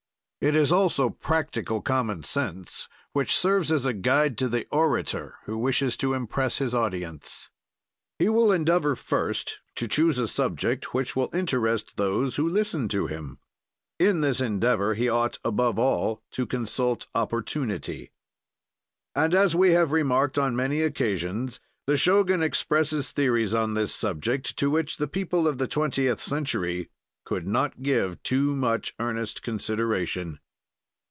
It is also practical common sense which serves as a guide to the orator who wishes to impress his audience. He will endeavor first to choose a subject which will interest those who listen to him. In this endeavor he ought, above all, to consult opportunity. And, as we have remarked on many occasions, the Shogun expresses theories on this subject, to which the people of the twentieth century could not give too much earnest consideration.